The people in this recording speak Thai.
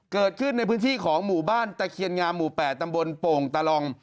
เกิดขึ้นในพื้นที่ของหมู่บ้านตะเคียนงามหมู่๘ตำบลโป่งตะลอง